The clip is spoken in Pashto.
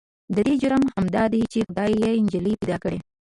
د دې جرم همدا دی چې خدای يې نجلې پيدا کړې.